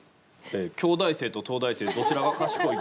「京大生と東大生どちらが賢い？」